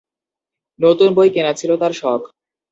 নতুন বই কেনা ছিল তার শখ।